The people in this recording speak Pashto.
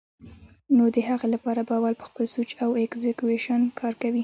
نو د هغې له پاره به اول پۀ خپل سوچ او اېکزیکيوشن کار کوي